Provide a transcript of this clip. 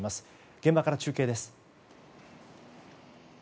現場から中継です。